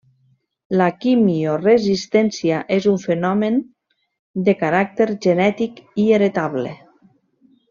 La quimioresistència és un fenomen de caràcter genètic i heretable.